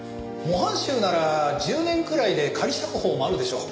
模範囚なら１０年くらいで仮釈放もあるでしょう。